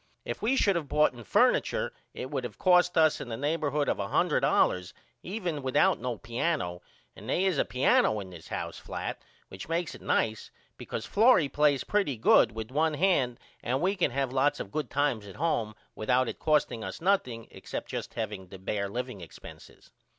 If we should of boughten furniture it would cost us in the neighborhod of $100 even without no piano and they is a piano in this here flat which makes it nice because Florrie plays pretty good with one hand and we can have lots of good times at home without it costing us nothing except just the bear liveing expenses.